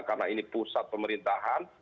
karena ini pusat pemerintahan